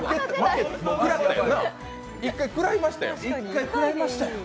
１回食らいましたやん。